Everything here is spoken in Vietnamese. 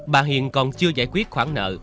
bà hiền còn chưa giải quyết khoản nợ